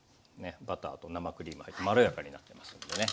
バターと生クリーム入ってまろやかになってますんでね。